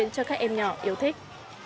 cho các em nhỏ yêu thích